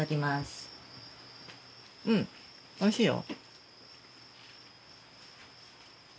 うんおいしいよ。